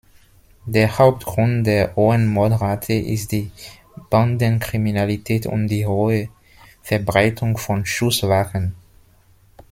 Der Hauptgrund der hohen Mordrate ist die Bandenkriminalität und die hohe Verbreitung von Schusswaffen.